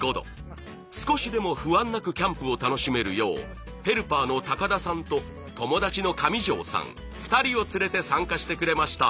少しでも不安なくキャンプを楽しめるようヘルパーの高田さんと友達の上条さん２人を連れて参加してくれました。